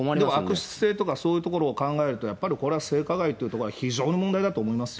悪質性とかそういうところを考えると、やっぱりこれは性加害というところは非常に問題だと思いますよ。